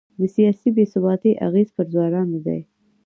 د سیاسي بې ثباتۍ اغېز پر ځوانانو دی.